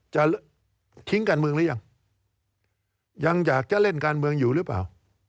จะทิ้งการเมืองหรือยังยังอยากจะเล่นการเมืองอยู่หรือเปล่า